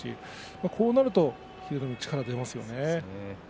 こうなると英乃海、力が出ます。